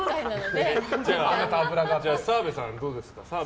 じゃあ、澤部さんはどうですか。